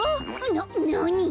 ななに？